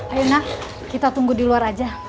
ayo nak kita tunggu di luar aja